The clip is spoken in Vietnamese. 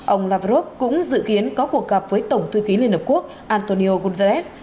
ông lavrov cũng dự kiến có cuộc gặp với tổng thư ký liên hợp quốc antonio guterres